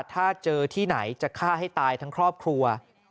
ถ้าเจอที่ไหนจะฆ่าให้ตายทั้งครอบครัว